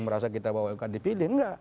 yang merasa kita bawakan dipilih enggak